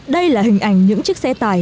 đây là hình ảnh những chiếc xe tải